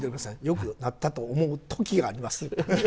「良くなったと思う時があります」。